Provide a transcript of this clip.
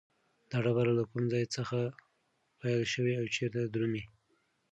دا ډبره له کوم ځای څخه پیل شوې او چیرته درومي؟